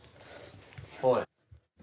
おい。